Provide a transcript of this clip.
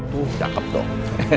duh cakep dong